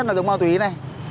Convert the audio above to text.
rất là giống ma túy này